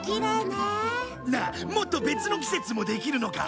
なあもっと別の季節もできるのか？